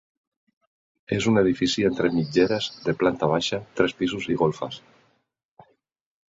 És un edifici entre mitgeres de planta baixa, tres pisos i golfes.